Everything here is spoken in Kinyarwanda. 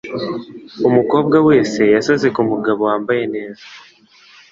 Umukobwa wese yasaze kumugabo wambaye neza.